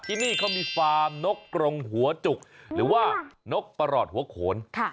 ที่นี่เขามีฟาร์มนกกรงหัวจุกหรือว่านกประหลอดหัวโขน